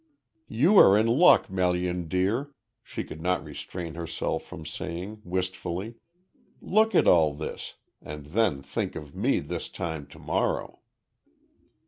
"You are in luck, Melian, dear," she could not restrain herself from saying, wistfully. "Look at all this, and then think of me this time to morrow."